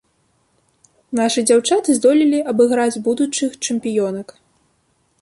Нашы дзяўчаты здолелі абыграць будучых чэмпіёнак.